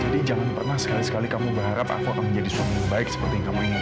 jadi jangan pernah sekali sekali kamu berharap aku akan menjadi suami yang baik seperti yang kamu inginkan